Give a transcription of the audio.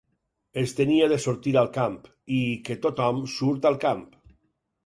Es tenia de sortir al camp, i que tot-hom surt al camp